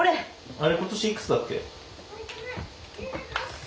あれ今年いくつだっけ？